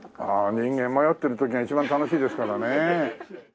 人間迷ってる時が一番楽しいですからね。